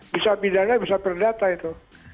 bisa pidana bisa perdata itu